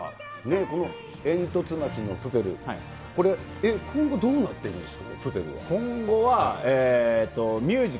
このえんとつ町のプペル、これ、今後どうなっていくんですか？